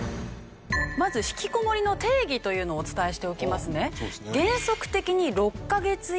まずひきこもりの定義というのをお伝えしておきますね。